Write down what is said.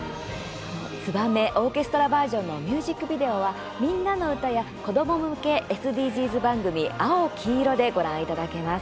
「ツバメオーケストラバージョン」のミュージックビデオは「みんなのうた」や子ども向けＳＤＧｓ番組「あおきいろ」でご覧いただけます。